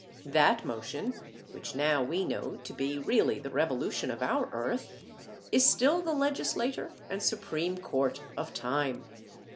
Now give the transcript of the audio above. That motion, which now we know to be really the revolution of our earth, is still the legislator and supreme court of time.